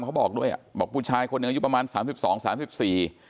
เขาบอกด้วยอ่ะบอกผู้ชายคนหนึ่งอายุประมาณสามสิบสองสามสิบสี่